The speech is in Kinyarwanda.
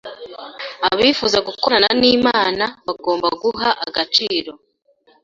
Abifuza gukorana n’Imana bagomba guha agaciro